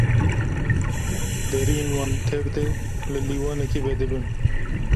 Deriyên wan tev de li lîwanekê vedibin.